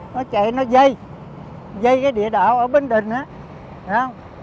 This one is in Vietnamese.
nó chạy nó dây dây cái địa đạo ở bến đình á hiểu không